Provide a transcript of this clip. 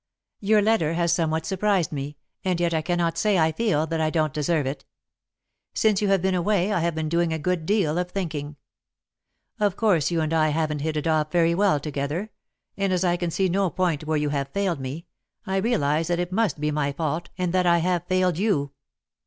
"Your letter has somewhat surprised me, and yet I cannot say I feel that I don't deserve it. Since you have been away I have been doing a good deal of thinking. Of course you and I haven't hit it off very well together, and, as I can see no point where you have failed me, I realise that it must be my fault and that I have failed you.